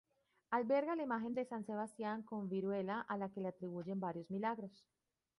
Alberga la imagen de San Sebastián con viruela a que le atribuyen varios milagros.